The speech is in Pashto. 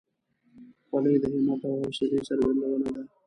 خولۍ د همت او حوصلې څرګندونه ده.